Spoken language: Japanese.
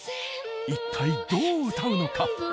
一体どう歌うのか？